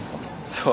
そう。